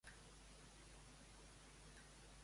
Quins personatges són Qenites?